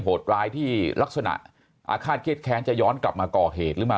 โหดร้ายที่ลักษณะอาฆาตเครียดแค้นจะย้อนกลับมาก่อเหตุหรือมา